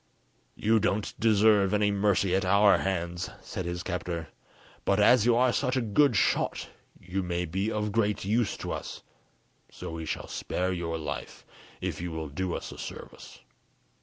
"You don't deserve any mercy at our hands," said his captor "but as you are such a good shot you may be of great use to us, so we shall spare your life, if you will do us a service.